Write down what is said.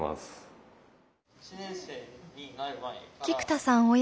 菊田さん